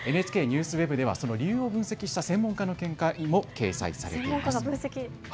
ＮＨＫＮＥＷＳＷＥＢではその理由を分析した専門家の見解も掲載しています。